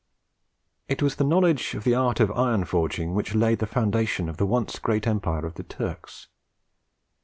It was the knowledge of the art of iron forging which laid the foundation of the once great empire of the Turks.